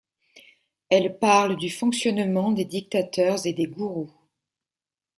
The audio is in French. Elle parle du fonctionnement des dictateurs et des gourous.